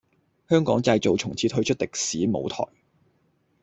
香港製造從此退出歷史舞台